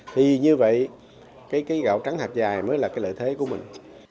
thì như vậy cái gạo trắng hạt dài mới là cái lợi thế của mình